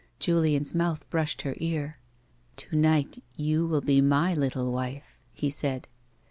Julian's mouth brushed her ear ; "To night you will be my little wife," he said.